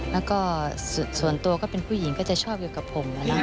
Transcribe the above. แล้วก็ส่วนตัวก็เป็นผู้หญิงก็จะชอบอยู่กับผม